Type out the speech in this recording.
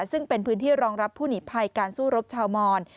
ซึ่งเป็นพื้นที่รองรับผู้หนีภัยการสู้รบชาวมอน